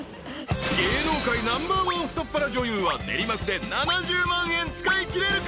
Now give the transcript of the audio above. ［芸能界ナンバーワン太っ腹女優は練馬区で７０万円使いきれるか？］